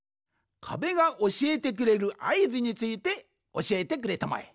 かべがおしえてくれるあいずについておしえてくれたまえ。